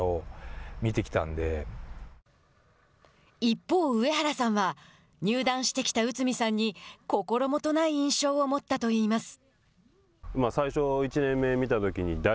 一方、上原さんは入団してきた内海さんに心もとない印象を持ったといいます。